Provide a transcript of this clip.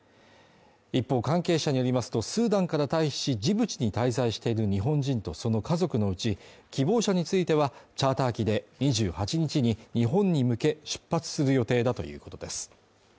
一方関係者によりますとスーダンから退避しジブチに滞在している日本人とその家族のうち希望者についてはチャーター機で２８日に日本に向け出発する予定だということです。